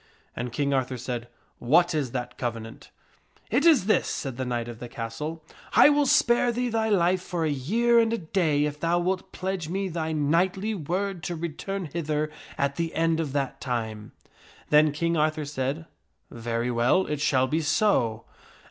And King Arthur said, " What is that covenant ?"" It is this," said the knight of the castle, " I will spare thee thy life for a year and a day if thou wilt pledge me thy knightly word to return hither at the end of that time." Then King Arthur said, ' Very well ; it shall be so."